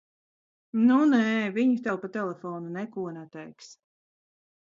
Nu nē, viņi tev pa telefonu neko neteiks.